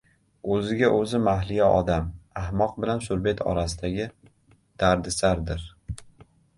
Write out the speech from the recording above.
O‘ziga-o‘zi mahliyo odam — ahmoq bilan surbet orasidagi dardisardir: